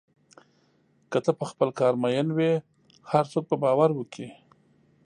که ته په خپل کار مین وې، هر څوک به باور وکړي.